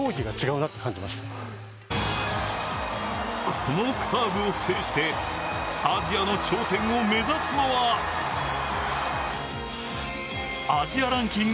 このカーブを制してアジアの頂点を目指すのは、アジアランキング